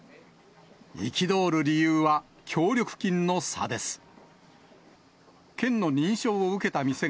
憤る理由は、協力金の差です。